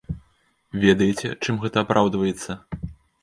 Ведаеце, чым гэта апраўдваецца?